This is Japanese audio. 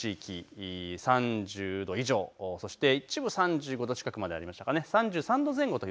ほとんどの地域３０度以上、そして一部３５度近くまでありました。